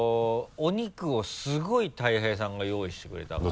お肉をすごい大平さんが用意してくれたから。